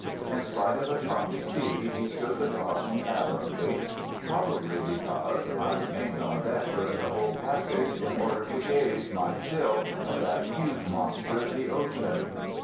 In spite of a choppy sea he stood the crossing admirably, probably because "I remained on deck during the whole passage, in order to gaze my fill at that huge monster, the ocean."